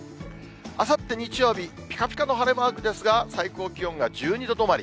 あさって日曜日、ぴかぴかの晴れマークですが、最高気温が１２度止まり。